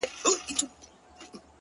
دغه ياغي خـلـگـو بــه منـلاى نـــه _